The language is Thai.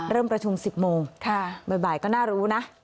เริ่มประชุม๑๐โมงบ่ายก็น่ารู้นะ